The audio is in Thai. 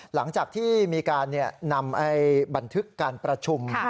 หลังจากที่มีการนำบันทึกการประชุม